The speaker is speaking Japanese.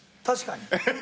確かに？